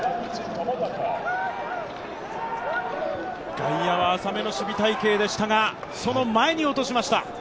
外野は浅めの守備隊形でしたが、その前に落としました。